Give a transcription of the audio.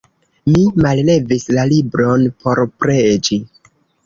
Mi mallevis la libron por preĝi.